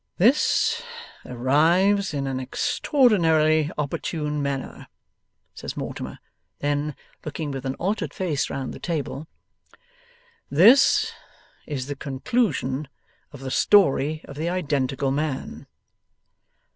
'This arrives in an extraordinarily opportune manner,' says Mortimer then, looking with an altered face round the table: 'this is the conclusion of the story of the identical man.